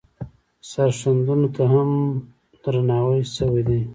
سرښندنو ته هم درناوی شوی دی.